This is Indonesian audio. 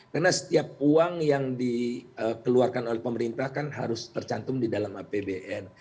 karena setiap uang yang dikeluarkan oleh pemerintah kan harus tercantum di dalam apbn